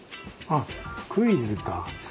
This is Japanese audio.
あっクイズか。